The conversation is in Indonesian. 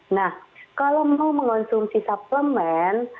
nah kalau mau mengonsumsi suplemen